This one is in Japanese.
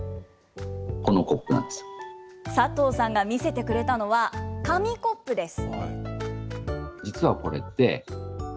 佐藤さんが見せてくれたのは、紙コップです。